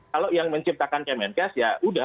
kalau yang menciptakan kemenkes ya udah